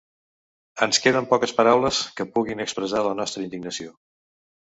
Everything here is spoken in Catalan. Ens queden poques paraules que puguin expressar la nostra indignació.